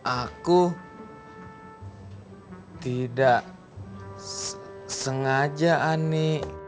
aku tidak sengaja ani